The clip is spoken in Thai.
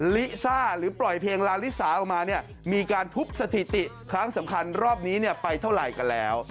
ลิซ่าหรือปล่อยเพลงลาลิสาออกมาเนี่ยมีการทุบสถิติครั้งสำคัญรอบนี้ไปเท่าไหร่กันแล้ว